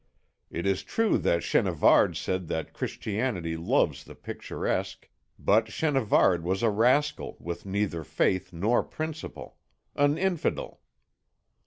It is true that Chenavard said that Christianity loves the picturesque, but Chenavard was a rascal with neither faith nor principle an infidel....